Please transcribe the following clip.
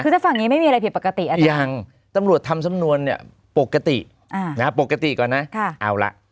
คือถ้าฝั่งนี้ไม่มีอะไรผิดปกติยังตำรวจทำสำนวนปกติก่อนนะเอาล่ะ